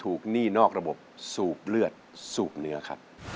ลูกทุ่งสู้ชีวิต